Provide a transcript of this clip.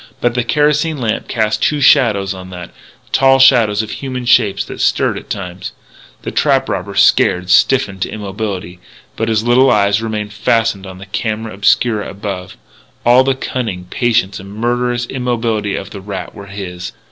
But the kerosene lamp cast two shadows on that tall shadows of human shapes that stirred at times. The trap robber, scared, stiffened to immobility, but his little eyes remained fastened on the camera obscura above. All the cunning, patience, and murderous immobility of the rat were his.